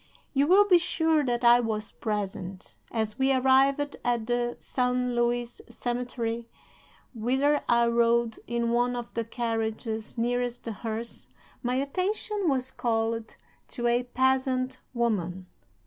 "You will be sure that I was present. As we arrived at the San Luis cemetery, whither I rode in one of the carriages nearest the hearse, my attention was called to a peasant woman.